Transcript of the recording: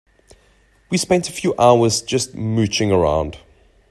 We spent a few hours just mooching around.